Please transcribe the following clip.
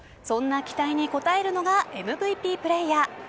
そんな期待に応えるのがＭＶＰプレーヤー。